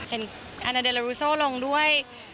เห็นอาณาเดลารูโซ่ลงด้วย